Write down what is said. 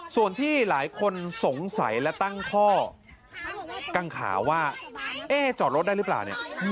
ส่วนที่หลายคนสงสัยและตั้งข้อกังขาว่าเอ๊ะจอดรถได้หรือเปล่าเนี่ย